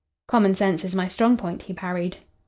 "Common sense is my strong point," he parried.